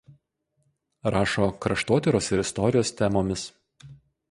Rašo kraštotyros ir istorijos temomis.